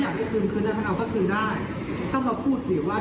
แต่เราพูดคือว่าต้องน่ำยถึงอยากได้คืนเพราะอะไร